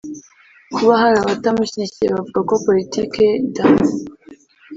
Kuba hari abatamushyigikiye bavuga ko Politiki ye idahamye